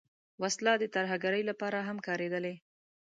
وسله د ترهګرۍ لپاره هم کارېدلې